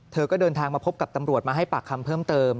เธอก็เดินทางมาพบกับตำรวจมาให้ปากคำเพิ่มเติม